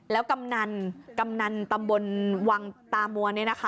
แล้วกำนันตำบลวังตามวนนี่นะคะ